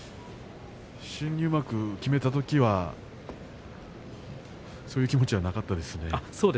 新入幕を決めたときはそういう気持ちはなかったですね。